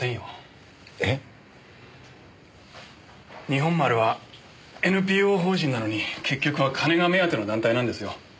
日本丸はＮＰＯ法人なのに結局は金が目当ての団体なんですよ。